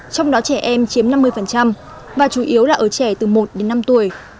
trong đó trẻ em chiếm năm mươi và chủ yếu là ở trẻ từ một đến năm tuổi